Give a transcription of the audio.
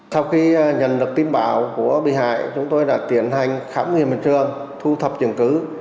sau khi nhận được tin báo của bị hại chúng tôi đã tiện hành khám nghiệm bình trường thu thập trường cứ